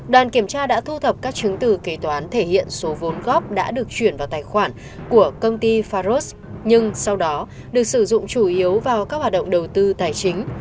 đoàn kiểm tra đã thu thập các chứng từ kế toán thể hiện số vốn góp đã được chuyển vào tài khoản của công ty faros nhưng sau đó được sử dụng chủ yếu vào các hoạt động đầu tư tài chính